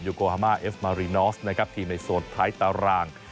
ยูโกฮีม่าเอฟส์มารีนอสนะครับทีมในโสดท้ายตาราง